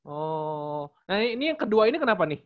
oh nah ini yang kedua ini kenapa nih